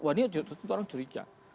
wah ini orang curiga